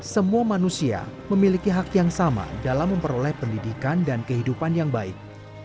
semua manusia memiliki hak yang sama dalam memperoleh pendidikan dan kehidupan yang baik